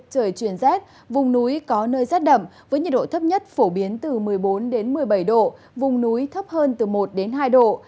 trời chuyển rét vùng núi có nơi rét đậm với nhiệt độ thấp nhất phổ biến từ một mươi bốn một mươi bảy độ vùng núi thấp hơn từ một hai độ